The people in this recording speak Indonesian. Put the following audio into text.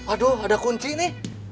aduh ada kunci nih